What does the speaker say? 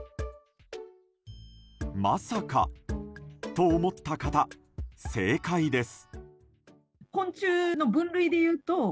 まさかと思った方、正解です。